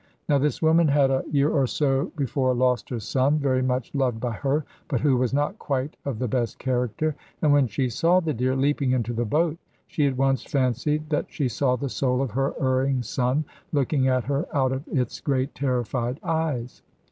Now this woman had a year or so before lost her son, very much loved by her, but who was not quite of the best character, and when she saw the deer leaping into the boat, she at once fancied that she saw the soul of her erring son looking at her out of its great terrified eyes.